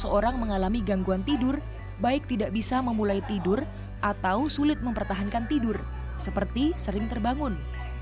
seorang mengalami gangguan tidur baik tidak bisa memulai tidur atau sulit mempertahankan tidur seperti sering terbangun